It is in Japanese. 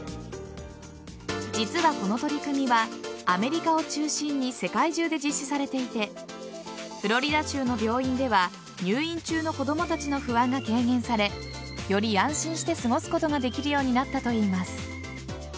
実は、この取り組みはアメリカを中心に世界中で実施されていてフロリダ州の病院では入院中の子供たちの不安が軽減されより安心して過ごすことができるようになったといいます。